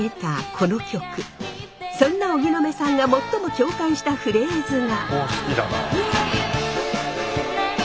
そんな荻野目さんが最も共感したフレーズが。